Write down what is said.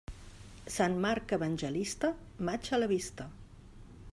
Sant Marc evangelista, maig a la vista.